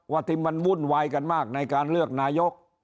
ที่มันวุ่นวายกันมากในการเลือกนายก